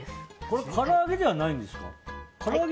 これから揚げではないんですか？